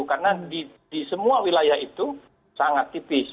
karena di semua wilayah itu sangat tipis